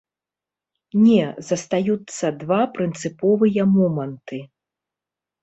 Не, застаюцца два прынцыповыя моманты.